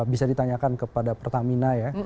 bisa ditanyakan kepada pertamina ya